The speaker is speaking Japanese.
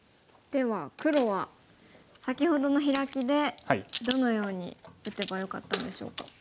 では黒は先ほどのヒラキでどのように打てばよかったんでしょうか。